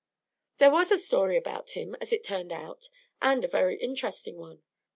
There was a story about him, as it turned out, and a very interesting one.